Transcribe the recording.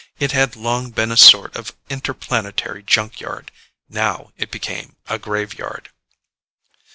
It had long been a sort of interplanetary junkyard; now it became a graveyard.